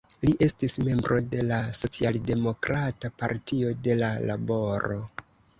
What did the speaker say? Li estis membro de la socialdemokrata Partio de la Laboro.